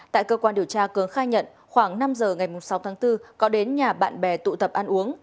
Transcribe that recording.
tại cơ quan điều tra cường khai nhận khoảng năm giờ ngày sáu tháng bốn có đến nhà bạn bè tụ tập ăn uống